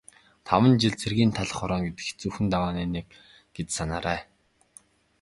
Таван жил цэргийн талх хорооно гэдэг хэцүүхэн давааны нэг гэж санаарай.